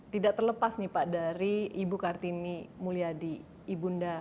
tidak terlepas nih pak dari ibu kartini mulyadi ibunda